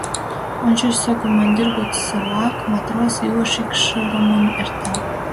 Ончычсо командир годсылак матрос илыш икшырымын эрта.